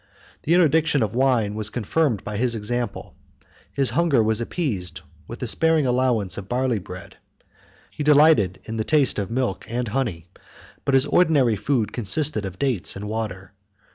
The interdiction of wine was confirmed by his example; his hunger was appeased with a sparing allowance of barley bread: he delighted in the taste of milk and honey; but his ordinary food consisted of dates and water.